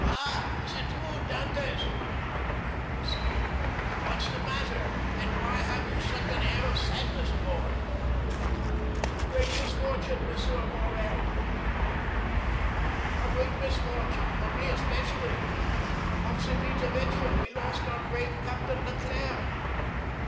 "Ah, is it you, Dantès?" cried the man in the skiff. "What's the matter? and why have you such an air of sadness aboard?" "A great misfortune, M. Morrel," replied the young man, "a great misfortune, for me especially! Off Civita Vecchia we lost our brave Captain Leclere."